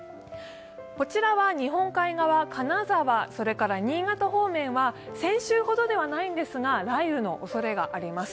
こちらは日本海側、金沢、新潟方面は先週ほどではないんですが雷雨のおそれがあります。